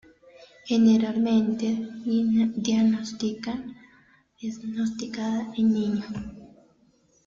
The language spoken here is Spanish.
Generalmente diagnosticada en niños.